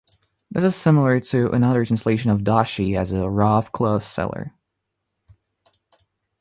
This is similar to another translation of "doshi" as a rough cloth seller.